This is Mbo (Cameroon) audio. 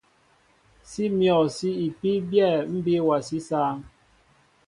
Sí myɔ̂ sí ipí byɛ̂ ḿbí awasí sááŋ.